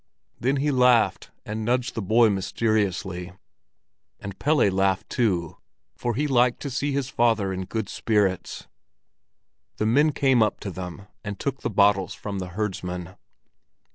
Then he laughed, and nudged the boy mysteriously; and Pelle laughed too, for he liked to see his father in good spirits. The men came up to them, and took the bottles from the herdsman.